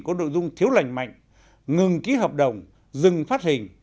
có nội dung thiếu lành mạnh ngừng ký hợp đồng dừng phát hình